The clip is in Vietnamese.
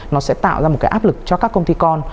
nó sẽ tạo ra một cái áp lực cho các công ty con